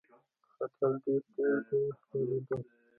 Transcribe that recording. خطر ډېر نیژدې ښکارېدی.